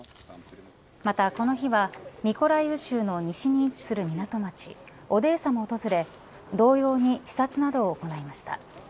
また、この日はミコライウ州の西に位置する港町オデーサも訪れ同様に視察などを行いました。